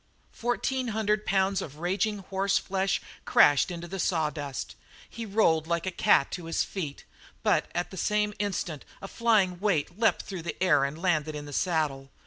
Fourteen hundred pounds of raging horseflesh crashed into the sawdust; he rolled like a cat to his feet, but at the same instant a flying weight leaped through the air and landed in the saddle.